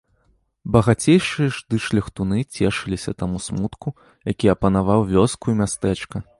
Багацейшыя ж ды шляхтуны цешыліся таму смутку, які апанаваў вёску і мястэчка.